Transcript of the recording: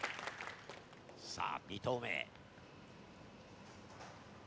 さあ２投目！